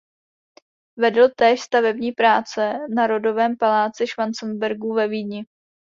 Vedl též stavební práce na rodovém paláci Schwarzenbergů ve Vídni.